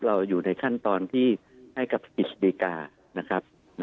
อยู่ในขั้นตอนที่ให้กับกฤษฎิกานะครับ